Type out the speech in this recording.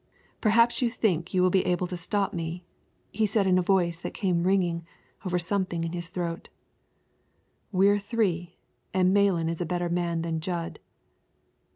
"Perhaps you think you will be able to stop me," he said in a voice that came ringing over something in his throat. "We're three, and Malan is a better man than Jud."